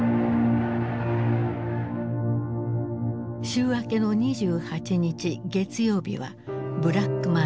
週明けの２８日月曜日はブラックマンデー。